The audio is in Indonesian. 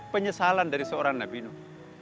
penyesalan dari seorang nabi nuh